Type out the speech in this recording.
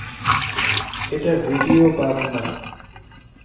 এটা video bug না।